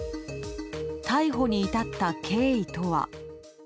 逮捕に至った経緯とは。